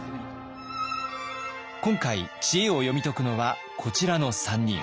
今回知恵を読み解くのはこちらの３人。